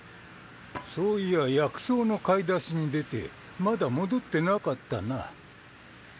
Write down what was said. そういや薬草の買い出しに出てまだ戻ってなかったな。